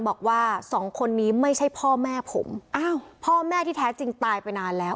บอกว่าสองคนนี้ไม่ใช่พ่อแม่ผมอ้าวพ่อแม่ที่แท้จริงตายไปนานแล้ว